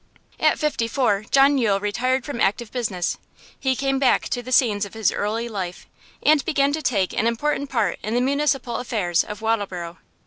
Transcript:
At fifty four John Yule retired from active business; he came back to the scenes of his early life, and began to take an important part in the municipal affairs of Wattleborough.